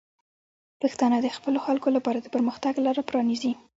پښتانه د خپلو خلکو لپاره د پرمختګ لاره پرانیزي.